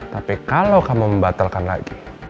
tapi kalau kamu membatalkan lagi